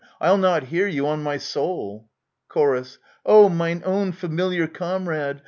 Ill not hear you, on my souL Chor. Oh, mine own familiar comrade